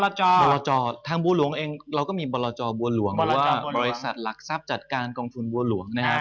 เราเห็นก็ว่าทางบูรวงเองเรามีบริษัทหลักทราบจัดการกองทุนบัวหลวง